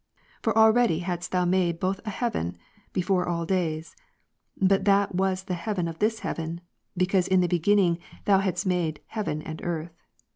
For already hadst Thou made both an heaven, before all days ; but that was the heaven of this heaven ; because In the beginning Thou hadst made heaven and earth.